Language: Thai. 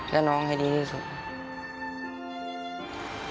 และน้องให้ดีที่สุด